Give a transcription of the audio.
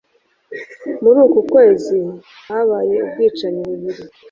muri uku kwezi habaye ubwicanyi bubiri